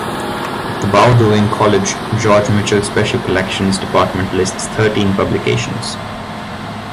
The Bowdoin College George Mitchell Special Collections department lists thirteen publications.